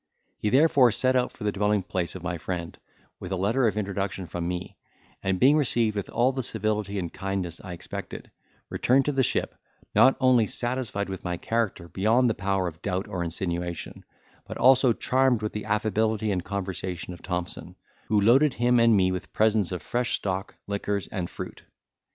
He therefore set out for the dwelling place of my friend, with a letter of introduction from me; and being received with all the civility and kindness I expected, returned to the ship, not only satisfied with my character beyond the power of doubt or insinuation, but also charmed with the affability and conversation of Thompson, who loaded him and me with presents of fresh stock, liquors, and fruit.